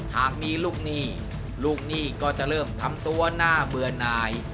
หากมีลูกหนี้ลูกหนี้ก็จะเริ่มทำตัวน่าเบื่อหน่าย